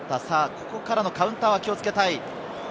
ここからのカウンターは気をつけたい。